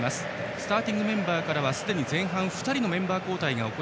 スターティングメンバーからはすでに前半、２人メンバー交代。